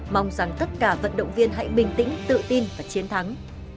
mong rằng tất cả vận động viên hãy bình tĩnh tự tin và chiến thắng